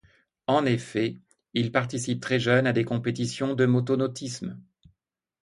En effet, il participe très jeune à des compétitions de motonautisme.